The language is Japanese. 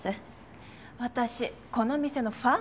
私この店のファンだもの。